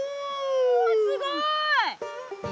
うわすごい。